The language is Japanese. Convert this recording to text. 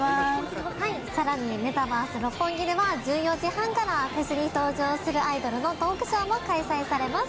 メタバース六本木では１４時半からフェスに登場するアイドルのトークショーも開催されます。